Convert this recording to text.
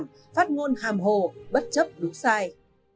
phát ngôn hàm hồ bất chấp đúng sai